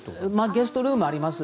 ゲストルームあります。